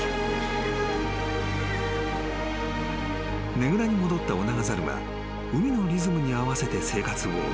［ねぐらに戻ったオナガザルは海のリズムに合わせて生活を送る］